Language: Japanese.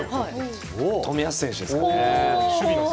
冨安選手ですかね。